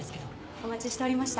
お待ちしておりました。